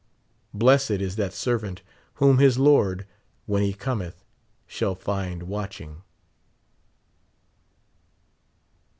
Blessed is that servant whom his Lord, when he cometh, shall find watching.